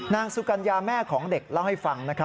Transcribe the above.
นางสุกัญญาแม่ของเด็กเล่าให้ฟังนะครับ